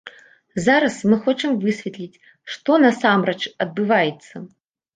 Зараз мы хочам высветліць, што насамрэч адбываецца.